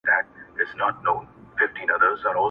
د عقل بندیوانو د حساب کړۍ ماتېږي!.